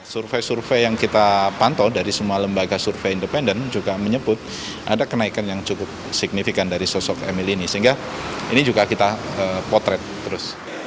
survei survei yang kita pantau dari semua lembaga survei independen juga menyebut ada kenaikan yang cukup signifikan dari sosok emil ini sehingga ini juga kita potret terus